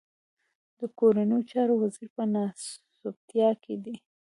د کورنيو چارو وزير په ناسوبتيا کې دی.